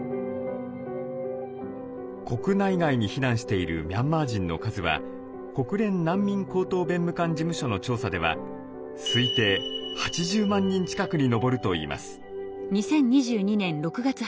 国内外に避難しているミャンマー人の数は国連難民高等弁務官事務所の調査では推定８０万人近くに上るといいます。